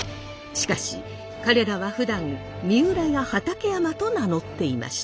しかし彼らはふだん三浦や畠山と名乗っていました。